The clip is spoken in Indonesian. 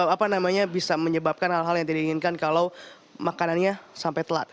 apa namanya bisa menyebabkan hal hal yang tidak diinginkan kalau makanannya sampai telat